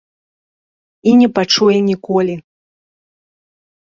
І не пачуе ніколі.